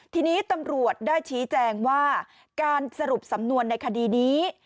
ทีนี้ตำรวจได้ชี้แจงว่าการสรุปสำนวนในคดีนี้